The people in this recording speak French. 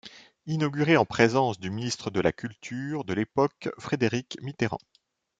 Inaugurée en présence du ministre de la Culture de l’époque, Frédéric Mitterrand.